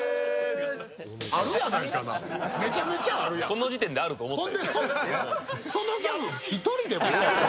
この時点であると思ったよ。